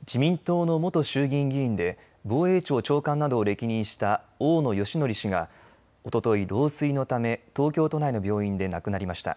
自民党の元衆議院議員で防衛庁長官などを歴任した大野功統氏がおととい老衰のため東京都内の病院で亡くなりました。